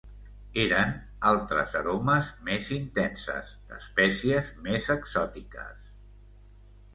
Eren altres aromes més intenses, d'espècies més exòtiques...